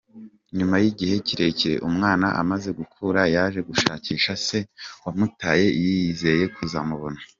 Nyuma y’igihe kirekire, umwana amaze gukura yaje gushakisha se wamutaye yizeye kuzamubona.